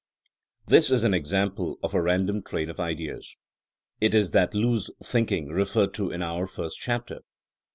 This is an example of a random train of ideas. It is that loose thinking'' referred to in our first chapter.